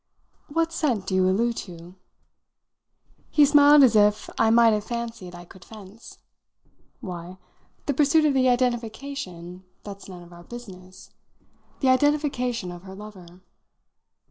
"What scent do you allude to?" He smiled as if I might have fancied I could fence. "Why, the pursuit of the identification that's none of our business the identification of her lover."